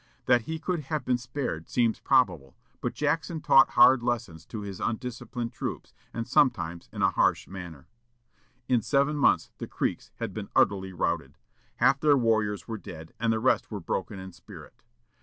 That he could have been spared seems probable, but Jackson taught hard lessons to his undisciplined troops, and sometimes in a harsh manner. In seven months the Creeks had been utterly routed; half their warriors were dead, and the rest were broken in spirit.